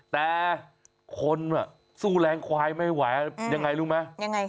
แต่คนสู้แรงควายไม่ไหวยังไงรู้ไหม